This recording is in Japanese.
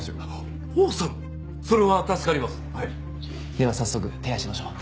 では早速手配しましょう。